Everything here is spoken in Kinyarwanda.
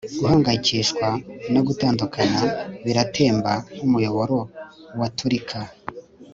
guhangayikishwa no gutandukana biratemba nkumuyoboro waturika